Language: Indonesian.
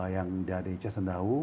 yang dari cisendawu